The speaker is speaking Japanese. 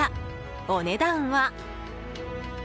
お値段は。